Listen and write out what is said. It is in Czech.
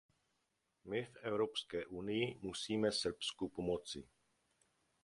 My v Evropské unii musíme Srbsku pomoci.